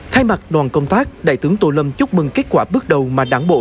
thay mặt đoàn công tác đại tướng tô lâm chúc mừng kết quả bước đầu mà đảng bộ